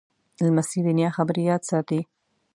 لمسی د نیا خبرې یاد ساتي.